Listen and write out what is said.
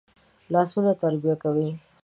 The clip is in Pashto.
لاسونه تربیه کوي